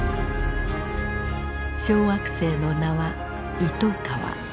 小惑星の名はイトカワ。